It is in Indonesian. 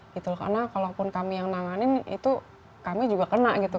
karena kalau pun kami yang menanganin itu kami juga kena gitu